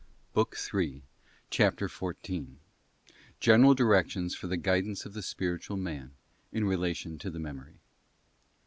BOOK Tr). CHAPTER XIV. General directions for the guidance of the spiritual man in relation to — the Memory.